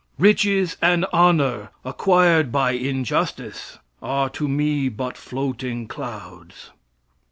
"Riches and honor acquired by injustice are to me but floating clouds.